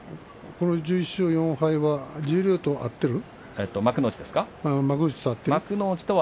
１１勝４敗は十両と合っている？